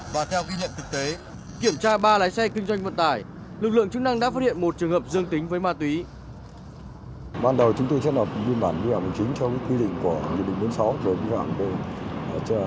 và theo kinh nghiệm thực tế kiểm tra ba lái xe kinh doanh vận tải lực lượng chức năng đã phát hiện một trường hợp dương tính